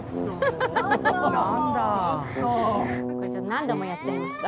何度もやっちゃいました。